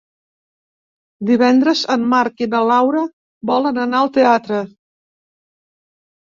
Divendres en Marc i na Laura volen anar al teatre.